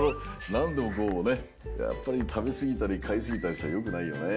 なんでもこうねやっぱりたべすぎたりかいすぎたりしたらよくないよね。